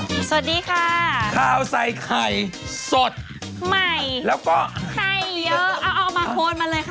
สวัสดีค่ะข้าวใส่ไข่สดใหม่แล้วก็ไข่เยอะเอาเอามาโคนมาเลยค่ะ